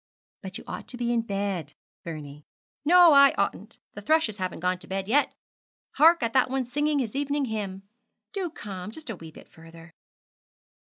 "' 'But you ought to be in bed, Vernie.' 'No, I oughtn't. The thrushes haven't gone to bed yet. Hark at that one singing his evening hymn! Do come just a wee bit further.'